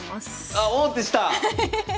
あ王手した？